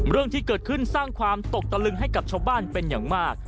เรื่องที่เกิดขึ้นสร้างความตกตะลึงให้กับชาวบ้านเป็นอย่างมาก